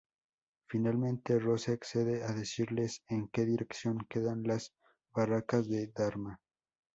Finalmente Rose accede a decirles en que dirección quedan las barracas de Dharma.